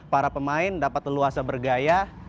para pemain dapat leluasa bergaya